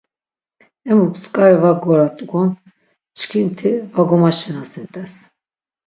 Emuk tzk̆ari va gorat̆uk̆on çkin ti va gomaşinasint̆es.